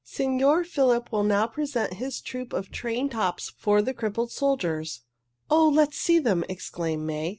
Signor Filippo will now present his troup of trained tops for the crippled soldiers." "Oh, let's see them!" exclaimed May.